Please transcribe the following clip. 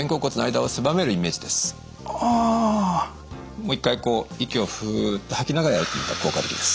もう一回息をふうっと吐きながらやってみると効果的です。